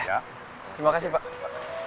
terima kasih pak